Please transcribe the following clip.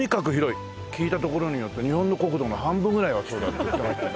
聞いたところによると日本の国土の半分ぐらいはそうだって言ってました。